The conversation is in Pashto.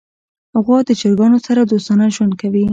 غوا د چرګانو سره دوستانه ژوند کوي.